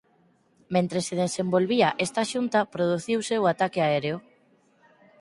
Mentres se desenvolvía esta xunta produciuse o ataque aéreo.